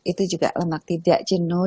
itu juga lemak tidak jenuh